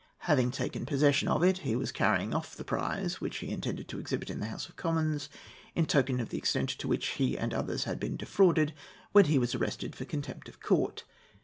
Having taken possession of it, he was carrying off the prize, which he intended to exhibit in the House of Commons, in token of the extent to which he and others had been defrauded, when he was arrested for contempt of court.